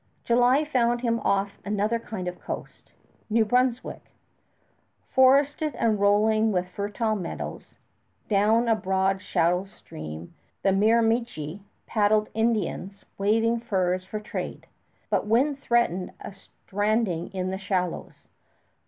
July found him off another kind of coast New Brunswick forested and rolling with fertile meadows. Down a broad shallow stream the Miramichi paddled Indians waving furs for trade; but wind threatened a stranding in the shallows.